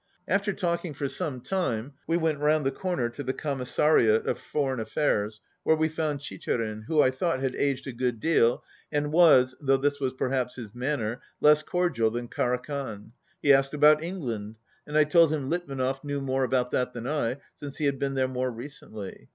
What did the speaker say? After 28 talking for some time we went round the corner to the Commissariat for Foreign Affairs, where we found Chicherin who, I thought, had aged a good deal and was (though this was perhaps his man ner) less cordial than Karakhan. He asked about England, and I told him Litvinov knew more about that than I, since he had been there more recently.